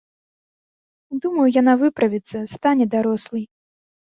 Думаю, яна выправіцца, стане дарослай.